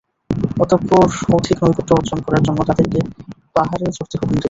অতঃপর অধিক নৈকট্য অর্জন করার জন্যে তাদেরকে পাহাড়েও চড়তে হুকুম দিলেন।